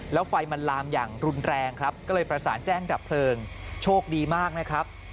แล้วไฟมันลามอย่างรุนแรงครับก็เลยประสานแจ้งดับเพลิงโชคดีมากนะครับ